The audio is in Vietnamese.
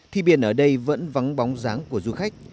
thì biển ở đây vẫn vắng bóng dáng của du khách